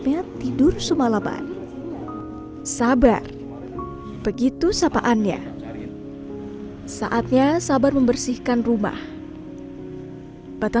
dan dia menemukan seorang laki laki yang berubah kembali